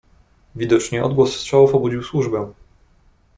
"Widocznie odgłos strzałów obudził służbę."